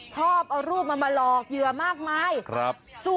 ชอบเอารูปมาลอกเหยื่อมากมายส่วนครับ